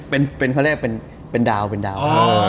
เป็นคำเรียกเป็นดาว